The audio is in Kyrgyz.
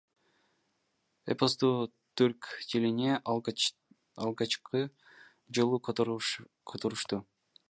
Эпосту түрк тилине алгачкы жолу которушту.